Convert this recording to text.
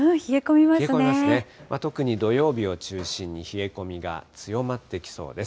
冷え込みますね、特に土曜日を中心に冷え込みが強まってきそうです。